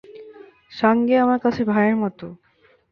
সাঙ্গেয়া আমার কাছে ভাইয়ের মতো।